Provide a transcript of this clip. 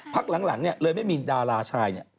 พักหลังเนี่ยเลยไม่มีดาราชายเนี่ย